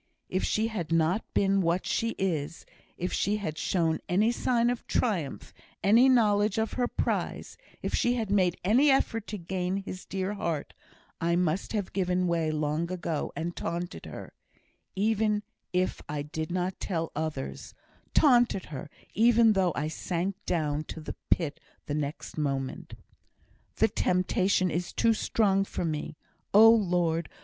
If she had not been what she is if she had shown any sign of triumph any knowledge of her prize if she had made any effort to gain his dear heart, I must have given way long ago, and taunted her, even if I did not tell others taunted her, even though I sank down to the pit the next moment. "The temptation is too strong for me. Oh Lord!